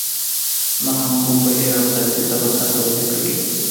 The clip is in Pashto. نه هم کوم بهیر او سیاسي طبقه توضیح کوي.